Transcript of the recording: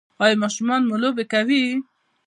ایا ماشومان مو لوبې کوي؟